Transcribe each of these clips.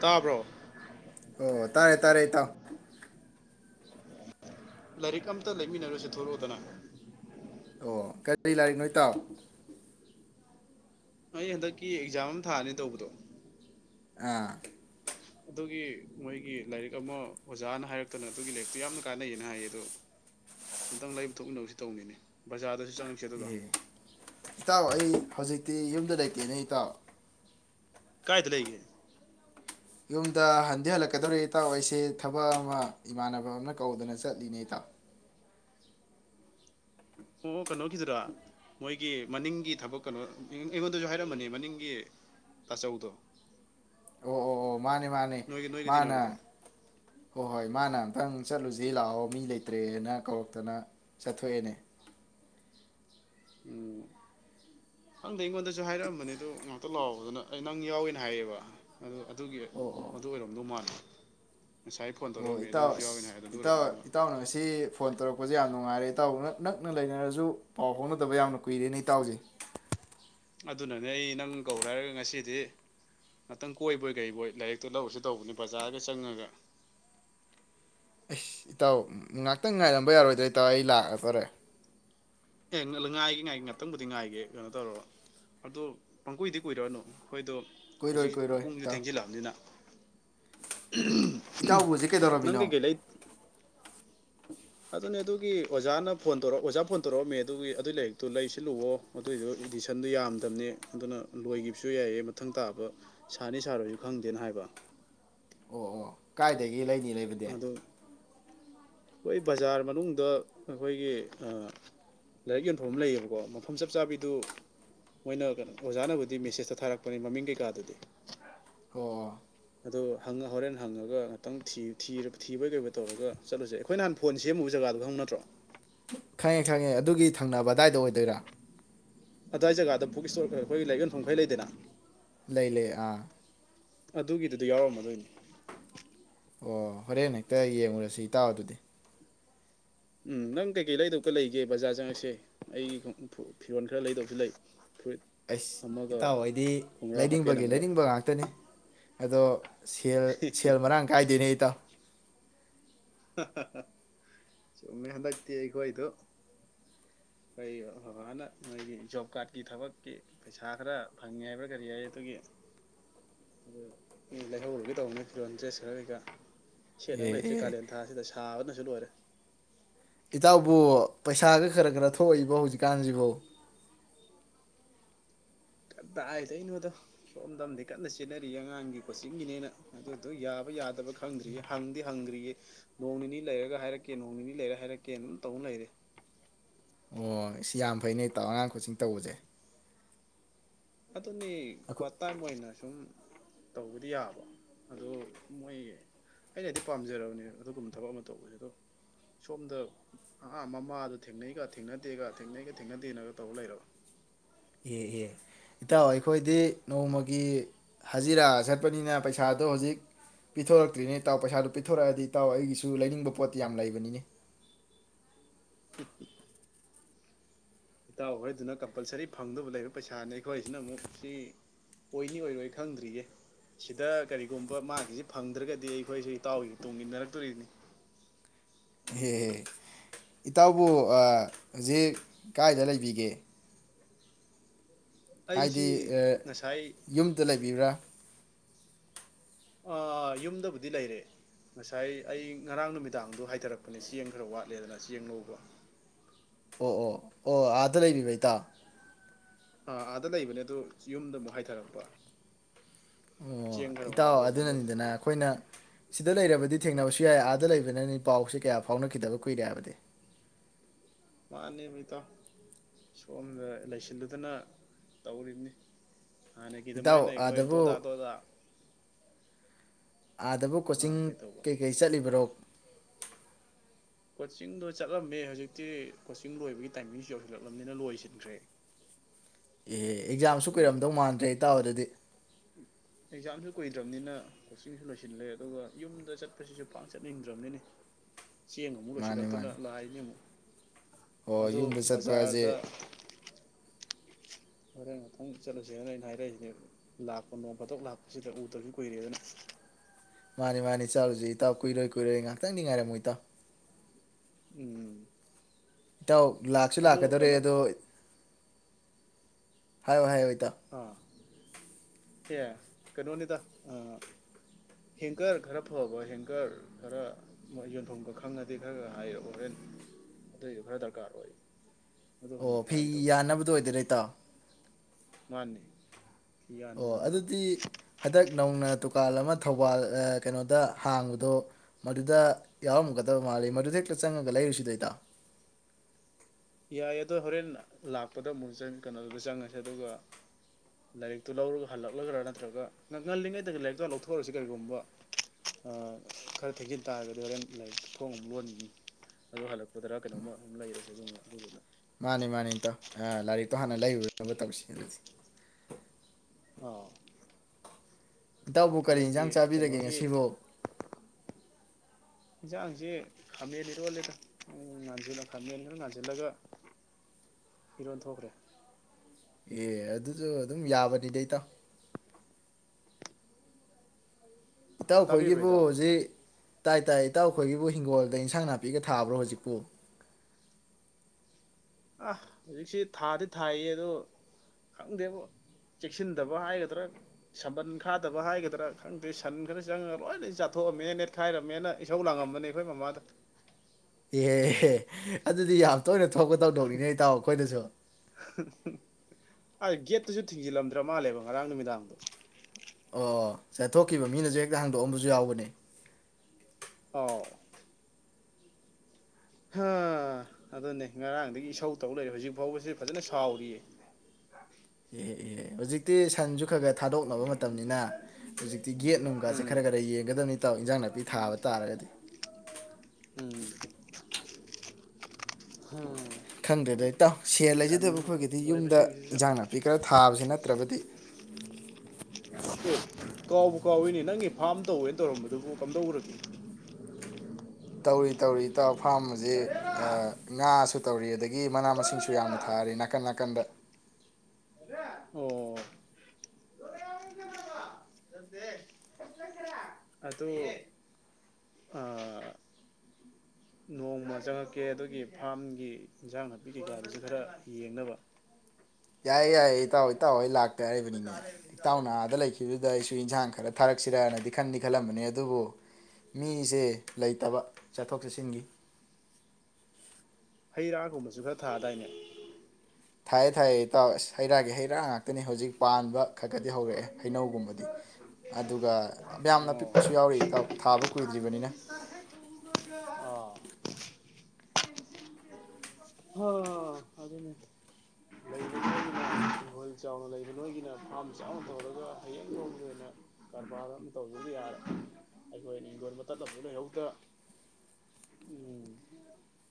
ꯇꯥꯕ꯭ꯔꯣ ꯑꯣ ꯇꯥꯔꯦ ꯇꯥꯔꯦ ꯏꯇꯥꯎ ꯂꯥꯏꯔꯤꯛ ꯑꯝꯇ ꯂꯩꯃꯤꯟꯅꯔꯨꯁꯤ ꯊꯣꯛꯂꯛꯑꯣꯗꯅ ꯑꯣ ꯀꯔꯤ ꯂꯥꯏꯔꯤꯛ ꯅꯣ ꯇꯥꯎ ꯑꯩ ꯍꯟꯗꯛꯀꯤ ꯑꯦꯛꯖꯥꯝ ꯑꯃ ꯊꯥꯔꯅꯤ ꯇꯧꯕꯗꯣ ꯑꯥ ꯑꯗꯨꯒꯤ ꯃꯣꯏꯒꯤ ꯂꯥꯏꯔꯤꯛ ꯑꯃ ꯑꯣꯖꯥꯅ ꯍꯥꯏꯔꯛꯇꯅ ꯑꯗꯨꯒꯤ ꯂꯥꯏꯔꯤꯛꯇꯨ ꯌꯥꯝꯅ ꯀꯥꯟꯅꯩꯌꯦꯅ ꯍꯥꯏꯌꯦ ꯑꯗꯣ ꯑꯨꯇꯪ ꯂꯩ ꯄꯨ ꯊꯣꯛꯃꯤꯟꯅꯕꯁꯤ ꯇꯧꯅꯤꯅꯦ ꯕꯖꯥꯔꯗꯁꯨ ꯆꯪꯉꯛꯁꯦ ꯑꯗꯨꯒ ꯑꯦ ꯏꯇꯥꯎ ꯑꯩ ꯍꯧꯖꯤꯛ ꯏꯛꯇꯤ ꯌꯨꯝꯗ ꯂꯩꯀꯦꯅꯦ ꯏꯇꯥꯎ ꯀꯥꯏꯗ ꯂꯩꯒꯦ ꯌꯨꯝꯗ ꯍꯟꯗꯤ ꯍꯜꯂꯛꯀꯗꯧꯔꯤ ꯏꯇꯥꯎ ꯑꯩꯁꯦ ꯊꯕꯛ ꯑꯃ ꯏꯃꯥꯟꯅꯕ ꯑꯃꯅ ꯀꯧꯗꯅ ꯆꯠꯂꯤꯅꯦ ꯏꯇꯥꯎ ꯑꯣ ꯑꯣ ꯀꯩꯅꯣꯒꯤꯗꯨꯔ ꯃꯣꯏꯒꯤ ꯃꯅꯤꯡꯒꯤ ꯊꯕꯛ ꯀꯩꯅꯣ ꯑꯩꯉꯣꯟꯗꯁꯨ ꯍꯥꯏꯔꯝꯕꯅꯦ ꯃꯅꯤꯡꯒꯤ ꯇꯥꯆꯧꯗꯣ ꯑꯣ ꯑꯣ ꯑꯣ ꯃꯥꯅꯦ ꯃꯥꯅꯦ ꯅꯣꯏꯒꯤ ꯅꯣꯏꯒ ꯃꯥꯅ ꯇꯤꯟꯅꯕꯗꯣ ꯍꯣꯏ ꯍꯣꯏ ꯃꯥꯅ ꯑꯝꯇꯪ ꯆꯠꯂꯨꯁꯤ ꯂꯥꯛꯑꯣ ꯃꯤ ꯂꯩꯇ꯭ꯔꯦꯅ ꯀꯧꯔꯛꯇꯅ ꯆꯠꯊꯣꯛꯑꯦꯅꯦ ꯑꯣ ꯑꯩꯉꯣꯟꯗꯁꯨ ꯍꯥꯏꯔꯛꯑꯝꯕꯅꯦ ꯗꯣ ꯉꯥꯛꯇꯥ ꯂꯛꯑꯣꯗꯅ ꯑꯩꯅ ꯅꯪ ꯌꯥꯎꯋꯦꯅ ꯍꯥꯏꯌꯦꯕ ꯑꯗꯨ ꯑꯗꯨꯒꯤ ꯑꯣ ꯑꯣ ꯑꯗꯨ ꯑꯣꯏꯔꯝꯗꯧ ꯃꯥꯜꯂꯦ ꯉꯁꯥꯏ ꯐꯣꯟ ꯑꯣ ꯇꯧꯔꯛꯑꯝꯃꯤ ꯏꯇꯥꯎ ꯅꯪꯁꯨ ꯑꯁ ꯌꯥꯎꯋꯦꯅ ꯍꯥꯏ ꯑꯗꯨ ꯏꯇꯥꯎ ꯑꯣꯏꯔꯝꯗꯧ ꯃꯥꯜꯂꯦ ꯏꯇꯥꯎꯅ ꯉꯁꯤ ꯐꯣꯟ ꯇꯧꯔꯛꯄꯁꯦ ꯌꯥꯝ ꯅꯨꯡꯉꯥꯏꯔꯦ ꯏꯇꯥꯎꯕꯅ ꯅꯛꯅ ꯂꯩꯅꯔꯁꯖꯨ ꯄꯥꯎ ꯐꯥꯎꯅꯗꯕ ꯌꯥꯝꯅ ꯀꯨꯏꯔꯦꯅꯦ ꯏꯇꯥꯎꯖꯦ ꯑꯗꯨꯅꯅꯦ ꯑꯩ ꯅꯪ ꯀꯧꯔꯦ ꯍꯥꯏꯔꯒ ꯉꯁꯤꯗꯤ ꯉꯍꯥꯛꯇꯪ ꯀꯣꯏꯕꯣꯏ ꯀꯩꯕꯣꯏ ꯂꯥꯏꯔꯤꯛꯇꯣ ꯂꯧꯔꯨꯁꯤ ꯇꯧꯕꯅꯦ ꯕꯖꯥꯔ ꯆꯪꯉꯒ ꯑꯩꯁ ꯏꯇꯥꯎ ꯉꯥꯛꯇꯪ ꯉꯥꯏꯔꯝꯕ ꯌꯥꯔꯣꯏꯗꯔ ꯏꯇꯥꯎ ꯑꯩ ꯂꯥꯛꯑꯗꯣꯔꯦ ꯑꯦ ꯉꯥꯏꯒꯦ ꯉꯥꯏꯒꯦ ꯉꯥꯛꯇꯪꯕꯨꯗꯤ ꯉꯥꯏꯒꯦ ꯀꯩꯅꯣ ꯇꯧꯔꯣ ꯑꯗꯣ ꯄꯪꯀꯨꯏꯗꯤ ꯀꯨꯏꯔꯛꯅꯨ ꯑꯩꯈꯣꯏꯗꯣ ꯀꯨꯏꯔꯣꯏ ꯍꯧꯖꯤꯛ ꯄꯨꯄꯨꯡꯁꯨ ꯊꯦꯡꯖꯤꯜꯂꯛꯑꯕꯅꯤꯅ ꯏꯇꯥꯎꯕꯁꯦ ꯅꯪ ꯀꯩꯗꯧꯔꯝꯃꯤꯅꯣ ꯀꯩꯀꯩ ꯂꯩ ꯑꯗꯨꯅꯦ ꯑꯗꯨꯒꯤ ꯑꯣꯖꯥꯅ ꯐꯣꯟ ꯇꯧꯔꯛ ꯑꯣꯖꯥꯅ ꯐꯣꯟ ꯇꯧꯔꯛꯑꯝꯃꯦ ꯑꯗꯨꯒꯤ ꯑꯗꯨꯏ ꯂꯥꯏꯔꯤꯛꯇꯨ ꯂꯩꯁꯤꯜꯂꯨꯑꯣ ꯑꯗꯨꯏꯗꯣ ꯏꯗꯤꯁꯟꯗꯣ ꯌꯥꯝꯗꯃꯦ ꯑꯗꯨꯅ ꯂꯣꯏꯒꯤꯈꯤꯕꯁꯨ ꯌꯥꯏꯌꯦ ꯃꯊꯪ ꯇꯥꯕ ꯁꯥꯅꯤ ꯁꯥꯔꯣꯏꯁꯨ ꯈꯪꯗꯦꯅ ꯍꯥꯏꯕ ꯑꯣ ꯑꯣ ꯀꯥꯏꯗꯒꯤ ꯂꯩ ꯂꯩꯕꯗꯦ ꯍꯣꯏ ꯕꯖꯥꯔ ꯃꯅꯨꯡꯗ ꯑꯩꯈꯣꯏꯒꯤ ꯂꯥꯏꯔꯤꯛ ꯌꯣꯟꯐꯝ ꯑꯃ ꯂꯩꯌꯦꯕꯀꯣ ꯃꯐꯝ ꯆꯞ ꯆꯥꯕꯤꯗꯨ ꯃꯣꯏꯅ ꯑꯣꯖꯥꯅꯕꯨꯗꯤ ꯃꯦꯁꯦꯁꯇ ꯊꯥꯔꯛꯄꯅꯤ ꯃꯃꯤꯡ ꯀꯩꯀꯥꯗꯨꯗꯤ ꯑꯣ ꯑꯗꯣ ꯍꯪꯉ ꯍꯣꯔꯦꯟ ꯍꯪꯉꯒ ꯉꯍꯥꯛꯇꯪ ꯊꯤ ꯊꯤꯕ ꯀꯩꯕꯣꯏ ꯇꯧꯔꯒ ꯆꯠꯂꯨꯁꯦ ꯑꯩꯈꯣꯏ ꯅꯍꯥꯟ ꯐꯣꯟ ꯁꯦꯝꯃꯨꯕ ꯖꯒꯥꯗꯣ ꯈꯪ ꯅꯠꯇ꯭ꯔꯣ ꯈꯪꯉꯦ ꯈꯪꯉꯦ ꯑꯗꯨꯒꯤ ꯊꯪꯅꯕ ꯑꯗꯥꯏꯗ ꯑꯣꯏꯗꯣꯏꯔꯥ ꯑꯗꯋꯥꯏ ꯖꯒꯥꯗ ꯕꯨꯛ ꯏꯁꯇꯣꯔ ꯑꯩꯈꯣꯏ ꯂꯥꯏꯔꯤꯛ ꯌꯣꯟꯐꯝ ꯈꯔ ꯂꯩꯗꯅ ꯂꯩ ꯂꯩ ꯑꯥ ꯑꯗꯨꯒꯤꯗꯨꯗꯤ ꯌꯥꯎꯔꯝꯃꯗꯣꯏꯅꯤ ꯑꯣ ꯍꯣꯔꯦꯟ ꯍꯦꯛꯇ ꯌꯦꯡꯉꯨꯔꯁꯤ ꯏꯇꯥꯥꯎ ꯑꯗꯨꯗꯤ ꯎꯝ ꯅꯪ ꯀꯩꯀꯩ ꯂꯩꯗꯧꯀ ꯂꯩꯒꯦ ꯕꯖꯥꯔ ꯆꯪꯉꯛꯁꯦ ꯑꯩꯒꯤ ꯐꯤꯔꯣꯜ ꯈꯔ ꯂꯩꯗꯧꯁꯨ ꯂꯩ ꯐꯨꯔꯤꯠ ꯑꯩꯁ ꯑꯃꯒ ꯏꯇꯥꯎ ꯑꯩꯗꯤ ꯈꯣꯡꯒ꯭ꯔꯥꯎ ꯍꯥꯄꯦꯟ ꯂꯩꯅꯤꯡꯕꯒꯤ ꯑꯃꯒ ꯂꯩꯅꯤꯡꯕ ꯉꯥꯛꯇꯅꯤ ꯑꯗꯣ ꯁꯦꯜ ꯁꯦꯜ ꯃꯔꯥꯡ ꯀꯥꯏꯗꯦꯅꯦ ꯏꯇꯥꯎ ꯆꯨꯝꯃꯦ ꯍꯟꯗꯛꯇꯤ ꯑꯩꯈꯣꯏꯗꯨ ꯑꯩꯈꯣꯏ ꯕꯥꯕꯅꯥ ꯃꯣꯏꯒꯤ ꯖꯣꯕ ꯀꯥꯔꯠꯀꯤ ꯊꯕꯛꯀꯤ ꯄꯩꯁꯥ ꯈꯔ ꯐꯪꯉꯦ ꯍꯥꯏꯕ꯭ꯔꯥ ꯀꯔꯤ ꯍꯥꯏ ꯑꯗꯨꯒꯤ ꯑꯗꯨ ꯂꯩꯍꯧꯔꯨꯒꯦ ꯇꯧꯕꯅꯦ ꯐꯤꯔꯣꯜ [unintelligible] ꯑꯦ ꯁꯦꯠꯅꯕ ꯂꯩꯇꯔꯦ ꯑꯦ ꯀꯥꯂꯦꯟ ꯁꯥꯕꯅꯁꯨ ꯂꯣꯏꯔꯦ ꯏꯇꯥꯎꯕꯨ ꯄꯩꯁꯥꯒ ꯈꯔ ꯈꯔ ꯊꯣꯛꯏꯕꯣ ꯍꯧꯖꯤꯛꯀꯥꯟꯁꯤꯕꯨ ꯀꯗꯥꯏꯗꯩꯅꯣꯗ ꯁꯣꯝꯗ ꯑꯃꯗꯤ ꯀꯟꯅ ꯆꯦꯟꯅꯔꯤꯌꯦ ꯑꯉꯥꯡꯒꯤ ꯀꯣꯆꯤꯡꯒꯤꯅꯦꯅ ꯑꯗꯨꯗꯣ ꯌꯥꯕ ꯌꯥꯗꯕ ꯈꯪꯗ꯭ꯔꯤꯌꯦ ꯍꯪꯗꯤ ꯍꯪꯗ꯭ꯔꯤꯌꯦ ꯅꯣꯡ ꯅꯤꯅꯤ ꯂꯩꯔꯒ ꯍꯥꯏꯔꯛꯀꯦ ꯅꯣꯡ ꯅꯤꯅꯤ ꯂꯩꯔ ꯍꯥꯏꯔꯛꯀꯦ ꯑꯗꯨꯝ ꯇꯧ ꯂꯩꯔꯦ ꯑꯣ ꯁꯤ ꯌꯥꯝ ꯐꯩꯅꯦ ꯏꯇꯥꯎ ꯑꯉꯥꯡ ꯀꯣꯆꯤꯡ ꯇꯧꯕꯁꯦ ꯑꯗꯨꯅꯤ ꯑꯩꯈꯣꯏ ꯄꯥꯔꯠ ꯇꯥꯏꯝ ꯑꯣꯏꯅ ꯁꯨꯝ ꯇꯧꯕꯗꯤ ꯌꯥꯕ ꯑꯗꯣ ꯃꯣꯏ ꯑꯩꯅꯗꯤ ꯄꯥꯝꯖꯔꯕꯅꯦ ꯑꯗꯨꯒꯨꯝꯕ ꯊꯕꯛ ꯑꯃ ꯇꯧꯕꯁꯦ ꯑꯗꯣ ꯁꯣꯝꯗ ꯑꯥ ꯃꯃꯥꯗꯣ ꯊꯦꯡꯅꯩꯒ ꯊꯦꯡꯅꯗꯦꯒ ꯊꯦꯡꯅꯩꯒ ꯊꯦꯡꯅꯗꯦꯒꯅ ꯇꯧ ꯂꯩꯔꯕ ꯑꯦꯍ ꯑꯦꯍꯦ ꯏꯇꯥꯎ ꯑꯩꯈꯣꯏꯗꯤ ꯅꯣꯡꯃꯒꯤ ꯍꯖꯤꯔꯥ ꯆꯠꯄꯅꯤꯅ ꯄꯩꯁꯥꯗꯣ ꯍꯧꯖꯤꯛ ꯄꯤꯊꯣꯔꯛꯇ꯭ꯔꯤꯅꯦ ꯏꯇꯥꯎ ꯄꯩꯁꯥꯗꯣ ꯄꯤꯊꯣꯔꯛꯑꯗꯤ ꯏꯇꯥꯎ ꯑꯩꯒꯤꯁꯨ ꯂꯩꯅꯤꯡꯕ ꯄꯣꯠꯇꯤ ꯌꯥꯝ ꯂꯩꯕꯅꯤꯅꯦ ꯏꯇꯥꯎ ꯈꯣꯏꯗꯨꯅ ꯀꯝꯄꯜꯁꯔꯤ ꯐꯪꯗꯧꯕ ꯂꯩꯕ ꯄꯩꯁꯥꯅꯦ ꯑꯩꯈꯣꯏꯁꯤꯅ ꯑꯃꯨꯛ ꯁꯤ ꯑꯣꯏꯅꯤ ꯑꯣꯏꯔꯣꯏ ꯈꯪꯗ꯭ꯔꯤꯌꯦ ꯁꯤꯗ ꯀꯔꯤꯒꯨꯝꯕ ꯃꯥꯒꯤꯁꯤ ꯐꯪꯗ꯭ꯔꯒꯗꯤ ꯑꯩꯈꯣꯏꯁꯨ ꯏꯇꯥꯎꯒꯤ ꯇꯨꯡ ꯏꯟꯅꯔꯛꯇꯣꯔꯤꯕꯅꯤ ꯍꯦꯍꯦ ꯏꯇꯥꯎꯕꯨ ꯍꯧꯖꯤꯛ ꯀꯥꯏꯗ ꯂꯩꯕꯤꯒꯦ ꯍꯥꯏꯗꯤ ꯑꯩꯁꯤ ꯉꯁꯥꯏ ꯌꯨꯝꯗ ꯂꯩꯕꯤꯕ꯭ꯔꯥ ꯑꯥ ꯌꯨꯝꯗꯕꯨꯗꯤ ꯂꯩꯔꯦ ꯉꯁꯥꯏ ꯑꯩ ꯉꯔꯥꯡ ꯅꯨꯃꯤꯗꯥꯡꯗꯣ ꯍꯥꯏꯊꯔꯛꯄꯅꯦ ꯆꯦꯡ ꯈꯔ ꯋꯥꯠꯂꯦꯗꯅ ꯆꯦꯡ ꯂꯧꯕ ꯑꯣ ꯑꯣ ꯑꯣ ꯑꯥꯗ ꯂꯩꯕꯤꯕ ꯏꯇꯥꯎ ꯑꯥ ꯑꯥꯗ ꯂꯩꯕꯅꯦ ꯑꯗꯨ ꯌꯨꯝꯗ ꯑꯃꯨꯛ ꯍꯥꯏꯊꯔꯛꯄ ꯑꯣ ꯆꯦꯡ ꯈꯔ ꯏꯇꯥꯎ ꯋꯥꯠꯂꯦꯗꯅ ꯑꯗꯣ ꯑꯗꯨꯅꯅꯤꯗꯅ ꯑꯩꯈꯣꯏꯅ ꯁꯤꯗ ꯂꯩꯔꯕꯗꯤ ꯊꯦꯡꯅꯕꯁꯨ ꯌꯥꯏ ꯑꯥꯗ ꯂꯩꯕꯅꯅꯤ ꯄꯥꯎꯁꯦ ꯀꯌꯥ ꯐꯥꯎꯅꯈꯤꯗꯕ ꯀꯨꯏꯔꯦ ꯍꯥꯏꯕꯗꯤ ꯃꯥꯅꯦꯕ ꯏꯇꯥꯎ ꯁꯣꯝꯗ ꯂꯩꯁꯤꯜꯂꯨꯗꯅ ꯇꯧꯔꯤꯕꯅꯤ ꯍꯥꯟꯅꯒꯤ ꯏꯇꯥꯎ ꯑꯗꯨꯃꯥꯏꯅ ꯑꯩꯈꯣꯏ ꯑꯥꯗꯕꯨ ꯗꯣꯗꯥ ꯗꯣꯗꯥ ꯑꯥꯗꯕꯨ ꯑꯥ ꯀꯣꯆꯤꯡ ꯀꯩ ꯇꯧꯕ ꯀꯩꯀꯩ ꯆꯠꯂꯤꯕꯔꯣ ꯀꯣꯆꯤꯡꯗꯣ ꯆꯠꯂꯝꯃꯦ ꯍꯧꯖꯤꯛꯇꯤ ꯀꯣꯆꯤꯡ ꯂꯣꯏꯕꯒꯤ ꯇꯥꯏꯃꯤꯡꯁꯨ ꯌꯧꯁꯤꯜꯂꯛꯂꯕꯅꯤꯅ ꯂꯣꯏꯁꯤꯟꯈ꯭ꯔꯦ ꯑꯦ ꯑꯦꯛꯖꯥꯝꯁꯨ ꯑꯗꯣ ꯀꯩꯔꯝꯗꯧ ꯃꯥꯟꯗ꯭ꯔꯦ ꯏꯇꯥꯎ ꯑꯗꯨꯗꯤ ꯑꯦꯛꯖꯥꯝꯁꯨ ꯀꯨꯏꯗ꯭ꯔꯕꯅꯤꯅ ꯀꯣꯆꯤꯡꯁꯨ ꯂꯣꯏꯁꯤꯜꯂꯦ ꯑꯗꯨꯒ ꯌꯨꯝꯗ ꯆꯠꯄꯁꯤꯁꯨ ꯄꯥꯛ ꯆꯠꯅꯤꯡꯗ꯭ꯔꯕꯅꯤꯅꯦ ꯆꯦꯡ ꯑꯃꯨꯛ ꯃꯥꯅꯤ ꯂꯣꯏꯁꯤꯜꯂꯛꯇꯅ ꯃꯥꯅꯤ ꯂꯥꯛꯏꯅꯦ ꯑꯃꯨꯛ ꯑꯣ ꯑꯗꯣ ꯌꯨꯝꯗ ꯆꯠꯄꯁꯦ ꯕꯖꯥꯔꯗ ꯍꯣꯔꯦꯟ ꯉꯥꯇꯪ ꯆꯠꯂꯨꯁꯦꯅ ꯑꯩꯅ ꯍꯥꯏꯔꯛꯏꯅꯦ ꯂꯥꯛꯄ ꯅꯣꯡ ꯐꯗꯣꯛ ꯂꯥꯛꯄꯁꯤꯗ ꯎꯗꯕꯁꯨ ꯀꯨꯏꯔꯦꯗꯅ ꯃꯥꯅꯤ ꯃꯥꯅꯤ ꯆꯠꯂꯨꯁꯤ ꯏꯇꯥꯎ ꯀꯨꯏꯔꯣꯏ ꯀꯨꯏꯔꯣꯏ ꯉꯍꯥꯛꯇꯪꯗꯤ ꯉꯥꯏꯔꯝꯃꯨ ꯏꯇꯥꯎ ꯎꯝ ꯏꯇꯥꯎ ꯂꯥꯛꯁꯨ ꯑꯗꯣ ꯂꯥꯛꯀꯗꯧꯔꯦ ꯀꯩꯅꯣ ꯑꯗꯣ ꯍꯥꯏꯌꯨ ꯍꯥꯏꯌꯨ ꯑꯥ ꯑꯦ ꯀꯩꯅꯣꯅꯤꯗ ꯍꯦꯡꯒꯔ ꯈꯔ ꯐꯕ ꯍꯦꯡꯒꯔ ꯈꯔ ꯌꯣꯟꯐꯝꯒ ꯈꯪꯉꯗꯤ ꯈꯔ ꯍꯥꯏꯔꯛꯎꯍꯦ ꯍꯣꯔꯦꯟ ꯑꯗꯨꯏꯗꯣ ꯈꯔ ꯗꯔꯀꯥꯔ ꯑꯣꯏ ꯑꯗꯣ ꯑꯣ ꯍꯪ ꯐꯤ ꯍꯥꯏꯒꯦ ꯌꯥꯅꯕꯗꯣ ꯑꯣꯏꯗꯨꯏꯔ ꯏꯇꯥꯎ ꯃꯥꯅꯤ ꯑꯣ ꯑꯗꯨꯗꯤ ꯍꯟꯗꯛ ꯅꯧꯅ ꯗꯨꯀꯥꯟ ꯑꯃ ꯊꯧꯕꯥꯜ ꯀꯩꯅꯣꯗ ꯍꯥꯡꯕꯗꯣ ꯃꯗꯨꯗ ꯌꯥꯎꯔꯝꯒꯗꯕ ꯃꯥꯜꯂꯤ ꯃꯗꯨꯗ ꯍꯦꯛꯇ ꯆꯪꯉꯒ ꯂꯩꯔꯨꯁꯤꯗ ꯏꯇꯥꯎ ꯌꯥꯏ ꯑꯗꯣ ꯍꯣꯔꯦꯟ ꯂꯥꯛꯄꯗ ꯑꯃꯨꯛ ꯀꯩꯅꯣꯗꯨꯗ ꯆꯪꯉꯁꯦ ꯑꯗꯨꯒ ꯂꯥꯏꯔꯤꯛꯇꯨ ꯂꯧꯔꯒ ꯍꯜꯂꯛꯂꯒꯔꯥ ꯅꯠꯇ꯭ꯔꯒ ꯉꯜꯂꯤꯉꯩꯗꯒ ꯂꯥꯏꯔꯤꯛꯇꯣ ꯍꯥꯟꯅ ꯂꯧꯊꯣꯛꯎꯁꯤ ꯀꯔꯤꯒꯨꯝꯕ ꯈꯔ [inaudible] ꯇꯥꯔꯒꯗꯤ ꯍꯣꯔꯦꯟ ꯂꯥꯏꯔꯤꯛ ꯊꯣꯡ ꯑꯃꯨ ꯂꯣꯟꯅꯤꯡꯅꯤ ꯑꯗꯨ ꯍꯜꯂꯛꯄꯗꯔ ꯀꯩꯅꯣꯃꯝ ꯂꯩꯔꯁ ꯑꯗꯨꯒꯨꯝꯕ ꯗꯣ ꯍꯥꯟꯅ ꯂꯩꯔꯨꯅꯕ ꯇꯧꯁꯤ ꯑꯥꯎ ꯏꯟꯇꯥꯎꯕꯨ ꯀꯔꯤ ꯏꯟꯁꯥꯡ ꯆꯥꯕꯤꯔꯒꯦ ꯉꯁꯤꯕꯣ ꯢꯟꯁꯥꯡꯁꯦ ꯈꯥꯃꯦꯟ ꯏꯔꯣꯜꯂꯦꯗꯥ ꯉꯥꯟꯁꯤꯜꯂ ꯈꯥꯃꯦꯟ ꯈꯔ ꯉꯥꯟꯁꯤꯜꯂꯒ ꯏꯔꯣꯟ ꯊꯣꯛꯈ꯭ꯔꯦ ꯑꯦ ꯑꯗꯨꯁꯨ ꯑꯗꯨꯝ ꯌꯥꯕꯅꯤꯗ ꯢꯇꯥꯎ ꯇꯥꯕꯤꯕ꯭ꯔꯥ ꯏꯇꯥꯎꯈꯣꯏꯒꯤꯕꯨ ꯏꯇꯥꯎ ꯍꯧꯖꯤꯛ ꯇꯥꯏ ꯇꯥꯏ ꯏꯇꯥꯎ ꯈꯣꯏꯒꯤꯕꯨ ꯍꯤꯡꯒꯣꯜꯗ ꯏꯟꯁꯥꯡ ꯅꯥꯄꯤꯒ ꯊꯥꯕ꯭ꯔꯣ ꯍꯧꯖꯤꯛꯄꯨ ꯑ ꯍꯧꯖꯤꯛꯁꯤ ꯊꯥꯗꯤ ꯊꯥꯏꯌꯦ ꯑꯗꯣ ꯈꯪꯗꯦꯕ ꯆꯦꯛꯁꯤꯟꯗꯕ ꯍꯥꯏꯒꯗ꯭ꯔꯥ ꯁꯝꯕꯟ ꯈꯥꯗꯕ ꯍꯥꯏꯒꯗ꯭ꯔꯥ ꯈꯪꯗꯦ ꯁꯟ ꯈꯔ ꯆꯪꯉꯒ ꯂꯣꯏꯅ ꯆꯥꯊꯣꯛꯑꯝꯃꯦꯅ ꯅꯦꯠꯈꯥꯏꯔꯝꯃꯦꯅ ꯏꯁꯧ ꯂꯥꯡꯉꯝꯕꯅꯦ ꯑꯩꯈꯣꯏ ꯃꯃꯥꯗ ꯑꯦꯍꯦ ꯑꯗꯨꯗꯤ ꯌꯥꯝ ꯇꯣꯏꯅ ꯊꯣꯛꯄ ꯊꯧꯗꯣꯛꯅꯤꯅꯦ ꯏꯇꯥꯎ ꯑꯩꯈꯣꯏꯗꯁꯨ ꯑꯥꯏ ꯒꯦꯠꯇꯨꯁꯨ ꯊꯤꯡꯖꯤꯜꯂꯝꯗ꯭ꯔ ꯃꯥꯜꯂꯦꯕ ꯉꯔꯥꯡ ꯅꯨꯃꯤꯗꯥꯡꯗꯣ ꯑꯣ ꯆꯠꯊꯣꯛꯈꯤꯕ ꯃꯤꯅꯁꯨ ꯍꯦꯛꯇ ꯍꯥꯡꯗꯣꯛꯑꯝꯕꯁꯨ ꯌꯥꯎꯕꯅꯦ ꯑꯥꯎ ꯍꯥ ꯑꯗꯨꯅꯦ ꯉꯔꯥꯡꯗꯒꯤ ꯏꯁꯧ ꯇꯧ ꯂꯩꯔꯦ ꯍꯧꯖꯤꯛ ꯐꯥꯎꯕꯁꯤ ꯐꯖꯅ ꯁꯥꯎꯔꯤꯌꯦ ꯑꯦ ꯑꯦ ꯍꯧꯖꯤꯛꯇꯤ ꯁꯟꯖꯨ ꯈꯔ ꯈꯔ ꯊꯥꯗꯣꯛꯅꯕ ꯃꯇꯝꯅꯤꯅ ꯍꯧꯖꯤꯛꯇꯤ ꯒꯦꯠ ꯅꯨꯡꯒꯁꯦ ꯎꯝ ꯈꯔ ꯈꯔ ꯌꯦꯡꯒꯗꯕꯅꯤ ꯢꯇꯥꯎ ꯏꯟꯖꯥꯡ ꯅꯥꯄꯤ ꯊꯥꯕ ꯇꯥꯔꯒꯗꯤ ꯎꯝ ꯍꯝ ꯈꯪꯗ꯭ꯔꯦꯗ ꯏꯇꯥꯎ ꯁꯦꯜ ꯁꯟ ꯂꯩꯖꯗꯕ ꯑꯩꯈꯣꯏꯒꯤꯗꯤ ꯌꯨꯝꯗ ꯂꯣꯏꯕꯁꯤꯡꯁꯤꯁꯨ ꯏꯟꯖꯥꯡ ꯅꯥꯄꯤ ꯈꯔ ꯊꯥꯕꯕꯁꯤ ꯅꯠꯇ꯭ꯔꯕꯗꯤ ꯀꯥꯎꯋꯤꯅꯦ ꯅꯪꯒꯤ ꯐꯥꯝ ꯇꯧꯋꯦꯅ ꯇꯧꯔꯝꯕꯗꯨꯕꯨ ꯀꯝꯗꯧꯒꯔꯒꯦ ꯇꯧꯔꯤ ꯇꯧꯔꯤ ꯢꯇꯥꯎ ꯐꯥꯝ ꯁꯦ ꯉꯥꯁꯨ ꯇꯧꯔꯤ ꯑꯗꯒꯤ ꯃꯅꯥ ꯃꯁꯤꯡꯁꯨ ꯌꯥꯝꯅ ꯊꯥꯔꯤ ꯅꯥꯀꯟ ꯅꯥꯀꯟꯗ ꯑꯣ ꯑꯗꯨꯣ ꯑ ꯅꯣꯡꯃ ꯆꯪꯉꯛꯀꯦ ꯑꯗꯨꯒꯤ ꯐꯥꯝꯒꯤ ꯏꯟꯁꯥꯡ ꯅꯥꯄꯤ ꯀꯩꯀꯥꯗꯨꯁꯨ ꯈꯔ ꯌꯦꯡꯅꯕ ꯌꯥꯏꯌꯦ ꯌꯥꯏꯌꯦ ꯏꯇꯥꯎ ꯏꯇꯥꯎ ꯍꯣꯏ ꯂꯥꯛꯇꯦ ꯍꯥꯏꯔꯤꯕꯅꯤꯅꯦ ꯏꯇꯥꯎꯅ ꯑꯥꯗ ꯂꯩꯈꯤꯕꯗꯨꯗ ꯑꯩꯁꯨ ꯏꯟꯁꯥꯡ ꯈꯔ ꯊꯥꯔꯛꯁꯤꯔꯅꯗꯤ ꯈꯟꯗꯤ ꯈꯜꯂꯝꯕꯅꯦ ꯑꯗꯨꯕꯨ ꯃꯤꯁꯦ ꯂꯩꯇꯕ ꯆꯠꯊꯣꯛ ꯆꯠꯁꯤꯟꯒꯤ ꯍꯩꯔꯥꯒꯨꯝꯕꯁꯨ ꯈꯔ ꯊꯥꯗꯥꯏꯅꯦ ꯊꯥꯏ ꯊꯥꯏꯑꯦ ꯇꯥꯎ ꯑꯁ ꯍꯩꯔꯥꯒꯤ ꯍꯩꯔꯥ ꯉꯥꯛꯇꯅꯤ ꯍꯧꯖꯤꯛ ꯄꯥꯟꯕ ꯈꯔ ꯈꯔꯗꯤ ꯍꯧꯔꯛꯑꯦ ꯍꯩꯅꯧꯒꯨꯝꯕꯗꯤ ꯑꯗꯨꯒ ꯌꯥꯝꯅ ꯑꯣ ꯄꯤꯛꯄꯁꯨ ꯌꯥꯎꯔꯤ ꯏꯇꯥꯎ ꯊꯥꯕ ꯀꯨꯏꯗ꯭ꯔꯤꯕꯅꯤꯅ ꯑꯥ ꯍ ꯑꯗꯨꯅꯦ ꯂꯩꯕ ꯅꯣꯢꯒꯤꯅ ꯏꯪꯈꯣꯜ ꯆꯥꯎꯅ ꯂꯩꯕ ꯅꯣꯏꯒꯤꯅ ꯐꯥꯝ ꯆꯥꯎꯅ ꯇꯧꯔꯒ ꯍꯌꯦꯡ ꯐꯥꯎꯒꯤ ꯑꯣꯏꯅ ꯀꯔꯕꯥꯔ ꯑꯃ ꯇꯧꯗꯔꯁꯨ ꯌꯥꯔꯦ꯫ ꯑꯩꯈꯣꯏꯅ ꯍꯤꯡꯒꯣꯟ ꯃꯇꯠ ꯑꯃꯁꯨ ꯂꯩꯍꯧꯗ ꯎꯝ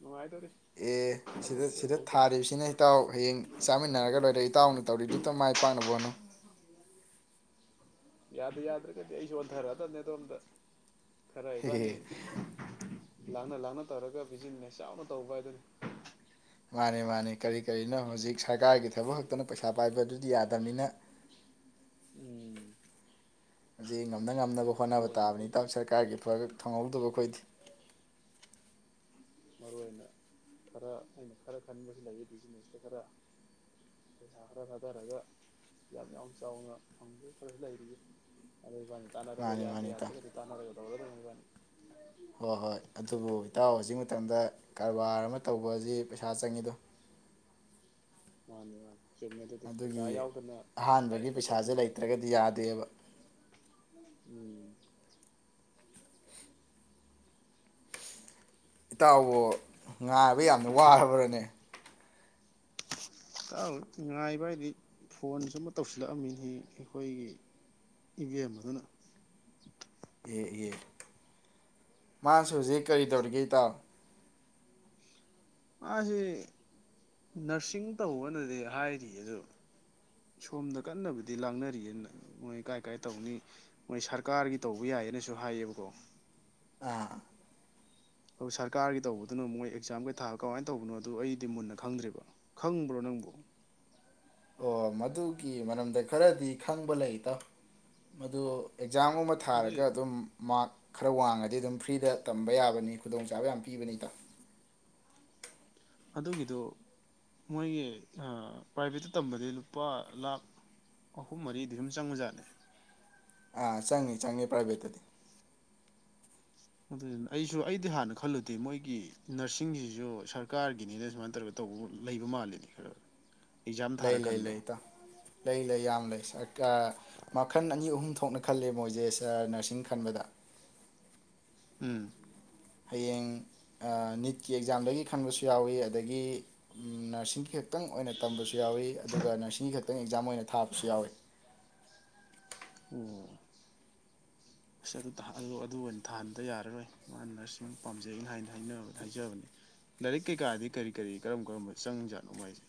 ꯅꯨꯡꯉꯥꯏꯗꯣꯔꯤ ꯑꯦ ꯁꯤꯗ ꯁꯤꯗ ꯊꯥꯔꯤꯕꯁꯤꯅ ꯏꯇꯥꯎ ꯍꯌꯦꯡ ꯆꯥꯃꯤꯟꯅꯔꯒ ꯂꯣꯏꯔꯦ ꯏꯇꯥꯎꯅ ꯇꯧꯔꯤꯗꯨꯇ ꯃꯥꯏ ꯄꯥꯛꯅꯕ ꯍꯣꯠꯅꯧ꯫ ꯌꯥꯗ ꯌꯥꯗ꯭ꯔꯒꯗꯤ ꯑꯩꯁꯨ ꯑꯣꯟꯊꯔꯛꯑꯗꯕꯅꯦ ꯑꯗꯣꯝꯗ ꯈꯔ ꯍꯦꯍꯦ ꯢꯕꯥꯅꯤ꯫ ꯂꯥꯛꯅ ꯂꯥꯛꯅ ꯇꯧꯔꯒ ꯕꯤꯖꯤꯅꯦꯁ ꯆꯥꯎꯅ ꯇꯧꯕ ꯍꯥꯏꯗꯨꯅꯤ꯫ ꯃꯥꯅꯦ ꯃꯥꯅꯦ ꯀꯔꯤ ꯀꯔꯤꯅꯣ ꯍꯧꯖꯤꯛ ꯁꯔꯀꯥꯔꯒꯤ ꯊꯕꯛ ꯈꯛꯇꯅ ꯄꯩꯁꯥ ꯄꯥꯏꯕ ꯑꯗꯨꯗꯤ ꯌꯥꯗꯕꯅꯤꯅ ꯎꯝ ꯍꯧꯖꯤꯛ ꯉꯝꯅ ꯉꯝꯅꯕ ꯃꯔꯨ ꯍꯣꯠꯅꯕ ꯑꯣꯏꯅ ꯇꯥꯕꯅꯤ ꯑꯩ ꯢꯇꯥꯎ ꯁꯔꯀꯥꯔꯒꯤ ꯊꯕꯛ ꯐꯪꯍꯧꯗꯕ ꯑꯩꯈꯣꯏꯗꯤ꯫ ꯃꯔꯨ ꯑꯣꯏꯅ ꯈꯔ ꯑꯩꯅ ꯈꯔ ꯈꯟꯕꯁꯨ ꯂꯩꯌꯦ ꯕꯤꯖꯤꯅꯦꯁꯇ ꯈꯔ ꯄꯩꯁꯥ ꯈꯔ ꯊꯥꯗꯔꯒ ꯌꯥꯝ ꯌꯥꯝ ꯆꯥꯎꯅ ꯐꯪꯗꯧ ꯈꯔꯁꯨ ꯂꯩꯔꯤꯌꯦ ꯑꯗꯨ ꯏꯕꯥꯅꯤ ꯇꯥꯟꯅꯗꯒ ꯃꯥꯅꯤ ꯃꯥꯅꯤ ꯏꯇꯥꯎ [inaudible] [inaudible] ꯀꯅꯥꯔꯣꯏ [inaudible] ꯏꯕꯅꯤ ꯍꯣꯏ ꯍꯣꯏ ꯑꯗꯨꯕꯨ ꯏꯇꯥꯎ ꯍꯧꯖꯤꯛ ꯃꯇꯝꯗ ꯀꯔꯕꯥꯔ ꯑꯃ ꯇꯧꯕꯁꯤ ꯄꯩꯁꯥ ꯆꯪꯉꯤꯗꯣ ꯃꯥꯅꯤ ꯃꯥꯅꯤ ꯆꯨꯝꯃꯦ ꯑꯗꯨꯗꯤ ꯄꯩꯁꯥ ꯑꯗꯨꯒꯤ ꯌꯥꯎꯗꯅ ꯑꯍꯥꯟꯕꯒꯤ ꯀꯔꯤꯝꯇ ꯇꯧꯕ ꯄꯩꯁꯥꯁꯦ ꯉꯝꯗꯦ ꯂꯩꯇ꯭ꯔꯒꯗꯤ ꯌꯥꯗꯦꯕ ꯎꯝ ꯏꯇꯥꯎꯕꯨ ꯉꯥꯏꯕ ꯌꯥꯝꯅ ꯋꯥꯔꯕ꯭ꯔꯅꯦ ꯉꯥꯏꯕ ꯍꯥꯏꯗꯤ ꯐꯣꯟ ꯁꯨꯝꯕ ꯇꯧꯁꯤꯜꯂꯛꯑꯃꯤꯅꯤ ꯑꯩꯈꯣꯏꯒꯤ ꯏꯚꯤꯦꯝꯃꯥ ꯗꯨꯅ ꯑꯦ ꯑꯦ ꯃꯥꯁꯨ ꯍꯧꯖꯤꯛ ꯀꯔꯤ ꯇꯧꯔꯤꯒꯦ ꯏ ꯇꯥꯎ ꯃꯥꯁꯦ ꯅꯔꯁꯤꯡ ꯇꯧꯕꯅꯗꯤ ꯍꯥꯏꯔꯤꯌꯦ ꯑꯗꯨ ꯁꯣꯝꯗ ꯀꯟꯅꯕꯨꯗꯤ ꯂꯥꯡꯅꯔꯤꯑ ꯃꯣꯏ ꯀꯥꯏ ꯀꯥꯏ ꯇꯧꯅꯤ ꯃꯣꯏ ꯁꯔꯀꯥꯔꯒꯤ ꯇꯧꯕ ꯌꯥꯏꯌꯦꯑꯅꯁꯨ ꯍꯥꯏꯌꯦꯕꯀꯣ ꯑꯥ ꯑꯗꯨ ꯁꯔꯀꯥꯔꯒꯤ ꯇꯧꯕꯗꯨꯅꯣ ꯃꯣꯏ ꯑꯦꯛꯖꯥꯝ ꯀꯩ ꯊꯥ ꯀꯃꯥꯏꯅ ꯇꯧꯕꯅꯣ ꯑꯗꯨ ꯑꯩꯗꯤ ꯃꯨꯟꯅ ꯈꯪꯗ꯭ꯔꯦꯕ ꯈꯪꯕ꯭ꯔꯣ ꯅꯪꯕꯨ ꯑꯣ ꯃꯗꯨꯒꯤ ꯃꯔꯝꯗ ꯈꯔꯗꯤ ꯈꯪꯕ ꯂꯩꯇꯥꯎ ꯃꯗꯨ ꯑꯦꯛꯖꯥꯝꯒꯨꯝꯕ ꯑꯗꯨꯏ ꯊꯥꯔꯒ ꯑꯗꯨꯝ ꯃꯔꯛ ꯈꯔ ꯋꯥꯡꯉꯗꯤ ꯑꯗꯨꯝ ꯐ꯭ꯔꯤꯗ ꯇꯝꯕ ꯌꯥꯕꯅꯤ ꯈꯨꯗꯣꯡꯆꯥꯕ ꯌꯥꯝ ꯄꯤꯕꯅꯤ ꯏꯇꯥꯎ ꯑꯗꯨꯒꯤꯗꯣ ꯃꯣꯏꯒꯤ ꯄ꯭ꯔꯥꯏꯚꯦꯠꯇ ꯇꯝꯕꯗꯤ ꯂꯨꯄꯥ ꯂꯥꯈ ꯑꯍꯨꯝ ꯃꯔꯤꯗꯤ ꯑꯗꯨꯝ ꯆꯪꯕꯖꯥꯠꯅꯤ ꯑꯥ ꯆꯪꯉ ꯆꯪꯏ ꯄ꯭ꯔꯥꯏꯚꯦꯠꯇꯗꯤ ꯑꯗꯨꯗꯨꯅ ꯑꯩꯁꯨ ꯑꯩꯗꯤ ꯍꯥꯟꯅ ꯈꯜꯂꯨꯗꯦ ꯃꯣꯏꯒꯤ ꯅꯔꯁꯤꯡꯁꯤꯁꯨ ꯁꯔꯀꯥꯔꯒꯤꯅꯤꯅ ꯁꯨꯃꯥꯏꯅ ꯇꯧꯔꯒ ꯇꯧꯕ ꯂꯩꯕ ꯃꯥꯜꯂꯤꯅꯤ ꯈꯔ ꯈ ꯂꯩ ꯂꯩ ꯏꯇꯥꯎ ꯂꯩ ꯂꯩ ꯌꯥꯝ ꯂꯩ ꯃꯈꯜ ꯑꯅꯤ ꯑꯍꯨꯝ ꯊꯣꯛꯅ ꯈꯜꯂꯦ ꯃꯣꯏꯁꯦ ꯅꯔꯁꯤꯡ ꯈꯟꯕꯗ ꯎꯝ ꯍꯌꯦꯡ ꯅꯤꯠꯀꯤ ꯑꯦꯛꯖꯥꯝꯗꯒꯤ ꯈꯟꯕꯁꯨ ꯌꯥꯎꯋꯤ ꯑꯗꯒꯤ ꯅꯔꯁꯤꯡ ꯈꯇꯪ ꯑꯣꯏꯅ ꯇꯝꯕꯁꯨ ꯌꯥꯎꯏꯤ ꯑꯗꯨꯒ ꯅꯔꯁꯤꯡꯒꯤ ꯈꯛꯇꯪ ꯑꯦꯛꯖꯥꯝ ꯑꯣꯏꯅ ꯊꯥꯕꯁꯨ ꯌꯥꯎꯏꯤ ꯑꯣ ꯑꯁ ꯑꯗꯨ ꯑꯗꯨ ꯑꯣꯏꯅ ꯊꯥꯍꯟꯕ ꯌꯥꯔꯔꯣꯏ ꯃꯥꯅ ꯅꯔꯁ ꯄꯥꯝꯖꯩꯩꯅ ꯍꯥꯏꯅ ꯍꯥꯏ ꯍꯥꯏꯖꯕꯅꯤ ꯂꯥꯏꯔꯤꯛ ꯀꯩꯀꯥꯗꯤ ꯀꯔꯤ ꯀꯔꯤ ꯀꯔꯝ ꯀꯔꯝꯕ ꯆꯪ ꯖꯥꯠꯅꯣ ꯃꯥꯏꯁꯦ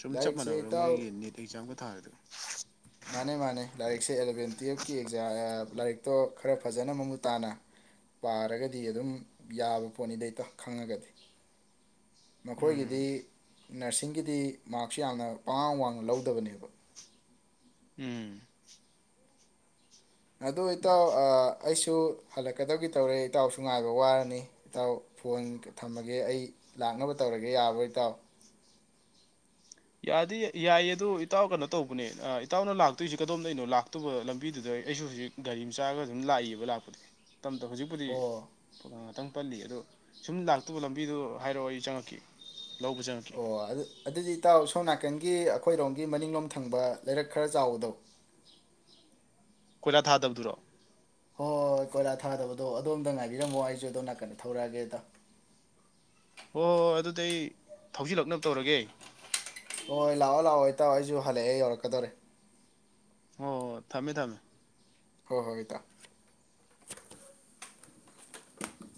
ꯁꯨꯝ ꯆꯞ ꯂꯥꯏꯔꯤꯛꯁꯦ ꯃꯥꯟꯅꯕ꯭ꯔꯥ ꯏꯇꯥꯎ ꯃꯣꯏꯒꯤ ꯅꯦꯠ ꯑꯦꯛꯖꯥꯝꯒ ꯊꯥꯔꯤꯗꯣ ꯃꯥꯅꯦ ꯃꯥꯅꯦ ꯂꯥꯏꯔꯤꯛꯁꯦ ꯑꯦꯂꯕꯦꯟ ꯇꯨꯌꯦꯜꯞꯀꯤ ꯑꯦꯛꯖꯥꯝ ꯂꯥꯏꯔꯤꯛꯇꯣ ꯈꯔ ꯐꯖꯅ ꯃꯃꯨꯠ ꯇꯥꯅ ꯄꯥꯔꯒꯗꯤ ꯑꯗꯨꯝ ꯌꯥꯕ ꯄꯣꯠꯅꯤꯗ ꯈꯪꯉꯒꯗꯤ ꯃꯈꯣꯏꯒꯤꯗꯤ ꯎꯝ ꯅꯔꯁꯤꯡꯒꯤꯗꯤ ꯃꯥꯔꯛꯁꯨ ꯌꯥꯝꯅ ꯄꯉꯥꯡ ꯋꯥꯡꯅ ꯂꯧꯗꯕꯅꯦꯕ ꯎꯝ ꯑꯗꯨ ꯏꯇꯥꯎ ꯑꯩꯁꯨ ꯍꯜꯂꯛꯀꯗꯕꯒꯤ ꯇꯧꯔꯦ ꯏꯇꯥꯎꯁꯨ ꯉꯥꯏꯕ ꯋꯥꯔꯅꯤ ꯏꯇꯥꯎ ꯐꯣꯟ ꯊꯝꯃꯒꯦ ꯑꯩ ꯂꯥꯛꯅꯕ ꯇꯧꯔꯒꯦ ꯌꯥꯔꯕꯣ ꯏꯇꯥꯎ ꯌꯥꯗꯤ ꯌꯥꯏꯌꯦ ꯑꯗꯨꯣ ꯏꯇꯥꯎ ꯀꯩꯅꯣ ꯇꯧꯕꯅꯦ ꯏꯇꯥꯎꯅ ꯂꯥꯛꯇꯣꯏꯁꯤ ꯀꯗꯣꯝꯗꯩꯅꯣ ꯂꯥꯛꯇꯨꯕ ꯂꯝꯕꯤꯗꯨꯗ ꯑꯩꯁꯨ ꯍꯧꯖꯤꯛ ꯒꯥꯔꯤ ꯑꯃ ꯆꯥꯔꯒ ꯑꯗꯨꯝ ꯂꯥꯛꯏꯕ ꯂꯥꯛꯄꯗꯤ [inaudible] ꯍꯧꯖꯤꯛꯄꯨꯗꯤ ꯑꯣ [inaudible] ꯈꯤꯇꯪ ꯄꯜꯂꯤ ꯑꯗꯣ ꯁꯨꯝ ꯂꯥꯛꯇꯕ ꯂꯝꯕꯤꯗꯣ ꯍꯥꯏꯔꯛꯑꯣ ꯑꯩ ꯆꯛꯂꯛꯀꯦ ꯑꯣ ꯑꯗꯨ ꯑꯗꯨꯗꯤ ꯏꯇꯥꯎ ꯑꯁꯣꯝ ꯅꯥꯀꯟꯒꯤ ꯑꯩꯈꯣꯏꯔꯣꯝꯒꯤ ꯃꯅꯤꯡꯂꯣꯝ ꯊꯪꯕ ꯂꯩꯔꯛ ꯈꯔ ꯆꯥꯎꯕꯗꯣ ꯀꯣꯏꯂꯥ ꯊꯥꯗꯕꯗꯨꯔꯣ ꯍꯣꯏ ꯍꯣꯏ ꯀꯣꯏꯂꯥ ꯊꯥꯗꯕꯗꯣ ꯑꯗꯣꯝꯗ ꯉꯥꯏꯕꯤꯔꯝꯃꯣ ꯑꯩꯁꯨ ꯑꯗꯣ ꯅꯥꯀꯟꯗ ꯊꯧꯔꯛꯑꯒꯦ ꯏꯇꯥꯎ ꯍꯣꯏ ꯍꯣꯏ ꯍꯣꯏ ꯑꯗꯨꯗꯤ ꯑꯩ ꯊꯧꯖꯤꯜꯂꯛꯅꯕ ꯇꯧꯔꯒꯦ ꯍꯣꯏ ꯂꯥꯛꯑꯣ ꯂꯥꯛꯑꯣ ꯏꯇꯥꯛꯑꯣ ꯑꯩꯁꯨ ꯍꯜꯂꯛꯑꯦ ꯌꯧꯔꯛꯀꯗꯧꯔꯦ ꯑꯣ ꯊꯝꯃꯦ ꯊꯝꯃꯦ ꯍꯣꯏ ꯍꯣꯏ ꯏꯇꯥꯎ